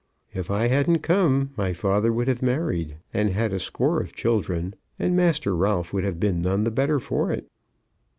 If I hadn't come, my father would have married, and had a score of children, and Master Ralph would have been none the better for it."